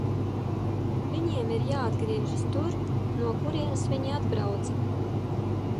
Viņiem ir jāatgriežas tur, no kurienes viņi atbrauca.